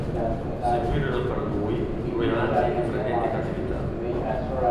Seguirono per lui due anni di frenetica attività.